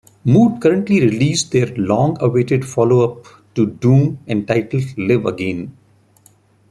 Mood currently released their long-awaited follow up to "Doom" entitled "Live Again".